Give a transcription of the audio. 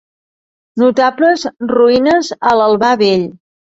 Notables ruïnes a l'Albà vell.